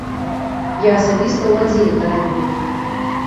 Я асабіста ў аддзеле тады быў.